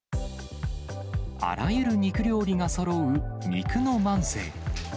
あらゆる肉料理がそろう肉の万世。